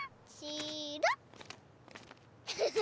フフフフ。